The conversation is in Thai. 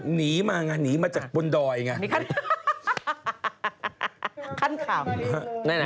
หนีมาอย่างงานหนีมาจากพลดอยอย่างงาน